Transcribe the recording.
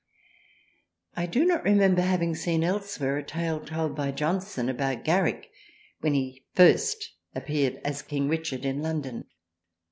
I do not remember having seen elsev^^here a tale told by Johnson about Garrick when first he appeared as King Richard in London.